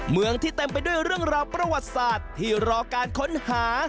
เมืองที่เต็มไปด้วยเรื่องราวประวัติศาสตร์ที่รอการค้นหา